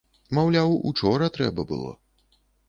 Маўляў, учора трэба было.